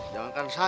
jangan kan saya tuh